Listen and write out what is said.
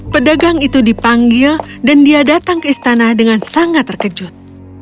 pedagang itu dipanggil dan dia datang ke istana dengan sangat terkejut